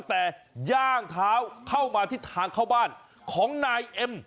แต่ย่างเท้าเข้ามาที่ทางเข้าบ้านของนายเอ็ม